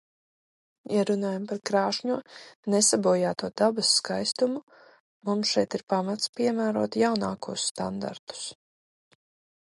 Ja runājam par krāšņo nesabojāto dabas skaistumu, mums šeit ir pamats piemērot jaunākos standartus.